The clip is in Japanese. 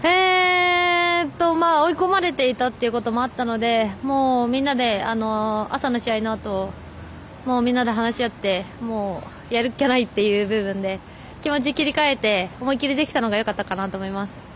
追い込まれていたということもあったのでみんなで、朝の試合のあとみんなで話し合ってやるっきゃないっていう部分で気持ち切り替えて思い切りできたのがよかったかなと思います。